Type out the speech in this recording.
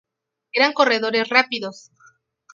Eran corredores rápidos.